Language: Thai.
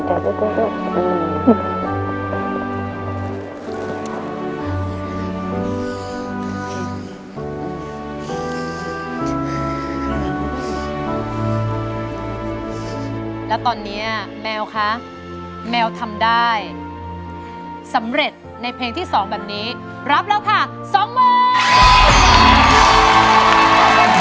แล้วตอนนี้แมวคะแมวทำได้สำเร็จในเพลงที่๒แบบนี้รับแล้วค่ะสองหมื่น